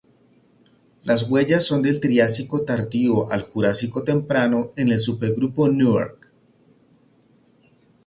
Las huellas son del Triásico Tardío al Jurásico Temprano en el supergrupo Newark.